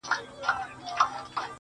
یو ګړی وروسته را والوتل بادونه-